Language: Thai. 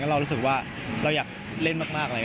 แล้วเรารู้สึกว่าเราอยากเล่นมากอะไรอย่างนี้